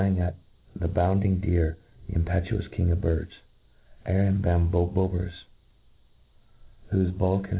ing at the bounding deer the impetuous king of birds* Arambombamboberus, whofe bulk and